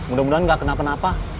mudah mudahan gak kenapa kenapa